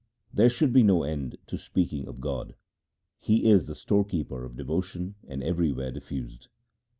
There should be no end to speaking of God ; He is the storekeeper of devotion and everywhere diffused.